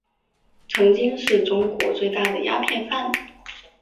曾经是中国最大的鸦片贩子。